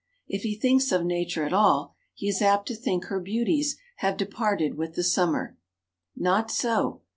If he thinks of nature at all, he is apt to think her beauties have departed with the summer. Not so.